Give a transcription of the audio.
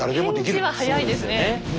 返事は早いですね。